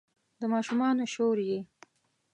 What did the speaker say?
د ماشومانو شور یې